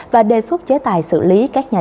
và đề xuất chế tài xử lý các nhà